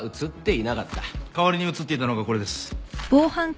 代わりに写っていたのがこれです。